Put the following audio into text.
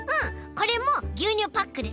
これもぎゅうにゅうパックでつくったんだ。